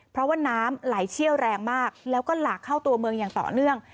เพราะว่าน้ำไหลเชี่ยวแรงมากแล้วก็หลากเข้าตัวเมืองอย่างต่อเนื่อง